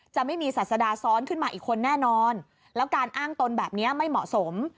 จะไม่มีศาสดาซ้อนขึ้นมาอีกคนแน่นอนแล้วการอ้างตนแบบนี้ไม่เหมาะสม